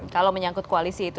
kalau menyangkut koalisi itu